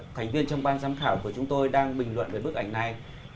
thành viên trong ban giám khảo của chúng tôi đang bình luận về bức ảnh này